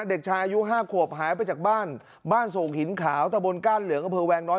เด็กชายอายุห้าขวบหายไปจากบ้านบ้านโศกหินขาวตะบนก้านเหลืองอำเภอแวงน้อย